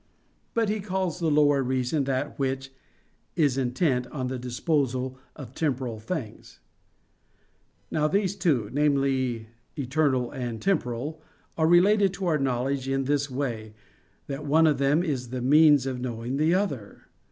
But he calls the lower reason that which "is intent on the disposal of temporal things." Now these two namely, eternal and temporal are related to our knowledge in this way, that one of them is the means of knowing the other.